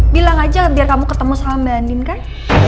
bilang aja biar kamu ketemu sama mbak andim kan